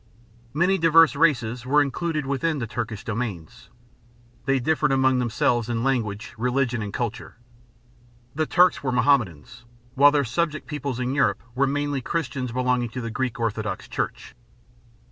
Many diverse races were included within the Turkish dominions. They differed among themselves in language, religion, and culture. The Turks were Mohammedans, while their subject peoples in Europe were mainly Christians belonging to the Greek Orthodox Church.